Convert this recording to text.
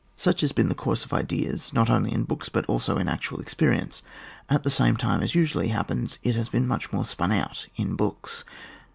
Such has been the course of ideas, not only in books but also in actual experi ence, at the same time, as usually hap pens, it has been much more spun out in books.